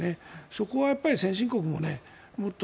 そこはやっぱり先進国ももっと。